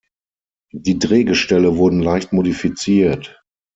Die Drehgestelle wurden leicht modifiziert.